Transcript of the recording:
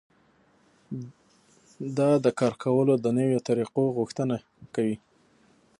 دا د کار کولو د نويو طريقو غوښتنه کوي.